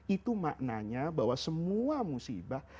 itu maknanya bahwa semua musibah